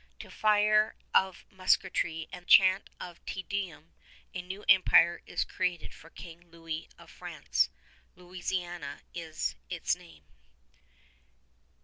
To fire of musketry and chant of Te Deum a new empire is created for King Louis of France. Louisiana is its name.